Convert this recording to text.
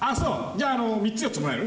じゃあ３つ４つもらえる？